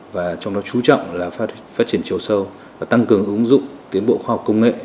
và trong đó chú trọng là phát triển chiều sâu và tăng cường ứng dụng tiến bộ khoa học công nghệ